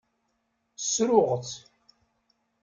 Ssruɣ-tt.